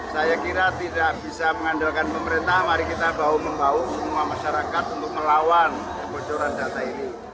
saya kira tidak bisa mengandalkan pemerintah mari kita bahu membahu semua masyarakat untuk melawan kebocoran data ini